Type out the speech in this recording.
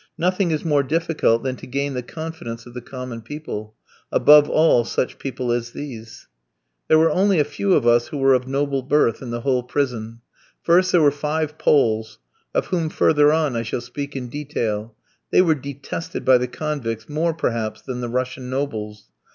Nothing is more difficult than to gain the confidence of the common people; above all, such people as these! There were only a few of us who were of noble birth in the whole prison. First, there were five Poles of whom further on I shall speak in detail they were detested by the convicts more, perhaps, than the Russian nobles.